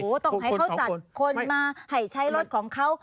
ต้องให้เขาจัดคนมาให้ใช้รถของเขา